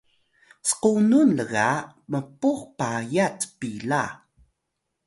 squnun lga mpux payat pila